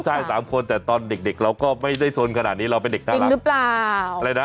ใช่๓คนแต่ตอนเด็กเราก็ไม่ได้สนขนาดนี้เราเป็นเด็กน่ารัก